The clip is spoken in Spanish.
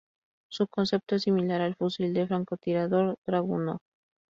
Su concepto es similar al fusil de francotirador Dragunov.